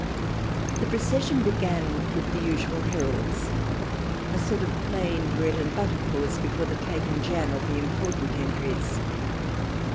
The procession began with the usual heralds, a sort of plain bread and butter course before the cake and jam of the important entries.